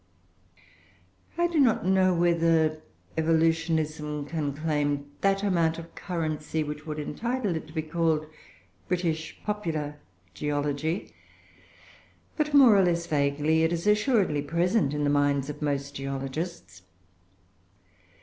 I do not know whether Evolutionism can claim that amount of currency which would entitle it to be called British popular geology; but, more or less vaguely, it is assuredly present in the minds of most geologists.